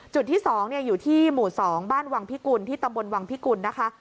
จุดที่๒อยู่ที่หมู่๒บ้านวังพิกุลที่ตำบลวังพิกุลนะคะ